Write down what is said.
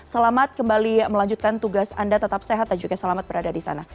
selamat kembali melanjutkan tugas anda tetap sehat dan juga selamat berada di sana